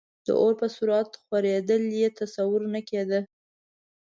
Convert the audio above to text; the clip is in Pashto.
د اور په سرعت خورېدل یې تصور نه کېده.